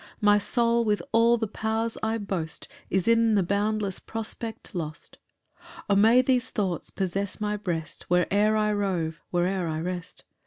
My soul, with all the powers I boast, Is in the boundless prospect lost. 5 "O may these thoughts possess my breast, "Where'er I rove where'er I rest!